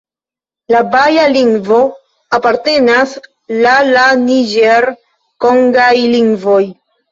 La baja lingvo apartenas la la niĝer-kongaj lingvoj.